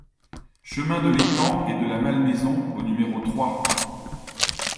Chemin de l'Étang et de la Malmaison au numéro trois